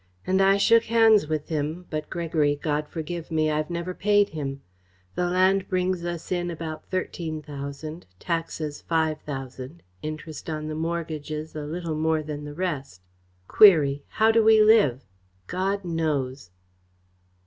And I shook hands with him, but, Gregory God forgive me I've never paid him. The lands bring us in about thirteen thousand, taxes five thousand, interest on the mortgages a little more than the rest. Query how do we live? God knows!"